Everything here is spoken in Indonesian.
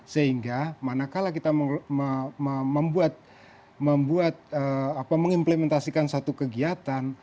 sehingga manakala kita membuat mengimplementasikan satu kegiatan